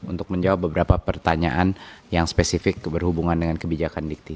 untuk menjawab beberapa pertanyaan yang spesifik berhubungan dengan kebijakan dikti